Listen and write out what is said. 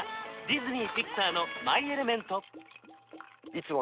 いつも